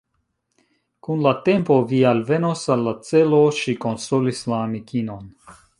Kun la tempo vi alvenos al la celo, ŝi konsolis la amikinon.